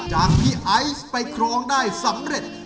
จากพี่ไอซ์ไปครองได้สำเร็จ